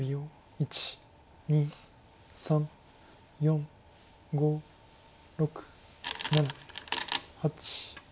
１２３４５６７８。